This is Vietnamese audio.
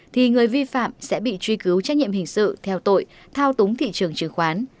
thì người vi phạm sẽ bị truy cứu trách nhiệm hình sự theo tội thao túng thị trường chứng khoán